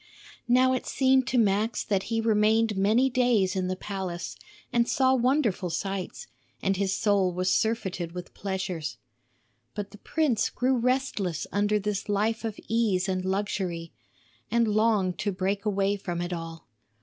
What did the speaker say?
Now it seemed to Max that he remained many days in the palace and saw wonderful sights; and his soul was surfeited with pleasures. But the prince grew restless under this life of ease and luxury, and longed to break away from it all.